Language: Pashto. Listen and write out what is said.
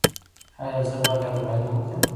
ایا زه باید الوبالو وخورم؟